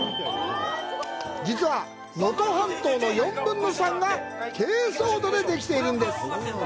実は能登半島の４分の３が珪藻土でできているんです。